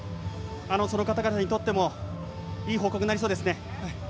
その方々にとってもいい報告になりそうですね。